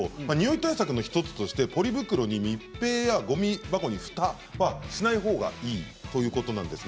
対策の１つとしてポリ袋に密閉したりごみ箱にふたをしたりしないほうがいいということなんです。